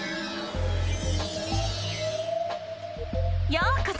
ようこそ！